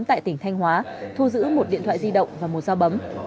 tại tỉnh thanh hóa thu giữ một điện thoại di động và một dao bấm